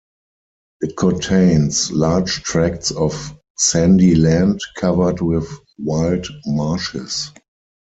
It contains large tracts of sandy land covered with wild marshes.